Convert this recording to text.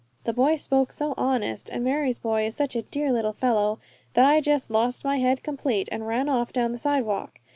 The boy spoke so honest, and Mary's boy is such a dear little fellow, that I jest lost my head complete, and ran off down the sidewalk.